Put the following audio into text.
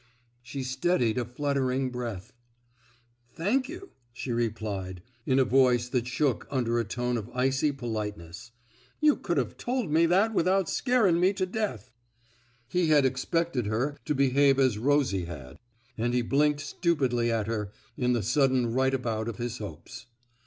'* She steadied a fluttering breath. Thank you,'* she replied, in a voice that shook under a tone of icy politeness. You could Ve told me that without scarin' me to death. '* He had expected her to behave as Rosie had; and he blinked stupidly at her in the sudden right about of his hopes.